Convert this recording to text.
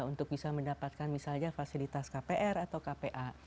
untuk bisa mendapatkan misalnya fasilitas kpr atau kpa